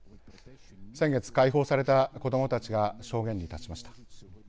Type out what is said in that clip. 先月解放された子どもたちが証言に立ちました。